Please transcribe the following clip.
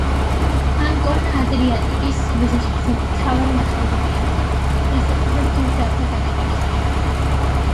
ანკონა ადრიატიკის ზღვის ერთ-ერთი მთავარი ნავსადგურია, განსაკუთრებით მგზავრთა გადაყვანის მხრივ.